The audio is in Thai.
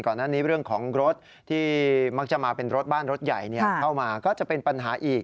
ก่อนหน้านี้เรื่องของรถที่มักจะมาเป็นรถบ้านรถใหญ่เข้ามาก็จะเป็นปัญหาอีก